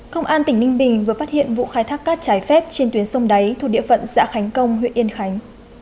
công an tỉnh ninh bình vừa phát hiện vụ khai thác cát trái phép trên tuyến sông đáy thuộc địa phận xã khánh công huyện yên khánh